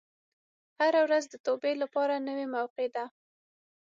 هره ورځ د توبې لپاره نوې موقع ده.